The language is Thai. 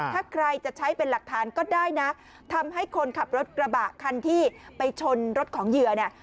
ถ้าใครจะใช้เป็นหลักฐานก็ได้นะทำให้คนขับรถกระบะคันที่ไปชนรถของเหยื่อเนี่ย